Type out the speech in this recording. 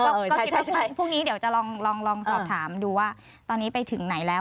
ก็คิดว่าพรุ่งนี้เดี๋ยวจะลองสอบถามดูว่าตอนนี้ไปถึงไหนแล้ว